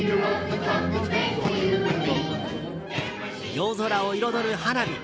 夜空を彩る花火。